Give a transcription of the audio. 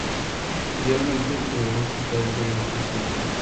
Idealmente, deberíamos cruzar el río y no construir un puente.